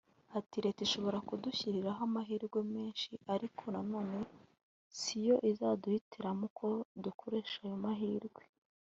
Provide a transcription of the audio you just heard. Ati” Leta ishobora kudushyiriraho amahirwe menshi ariko nanone si yo izaduhitiramo uko dukoresha ayo mahirwe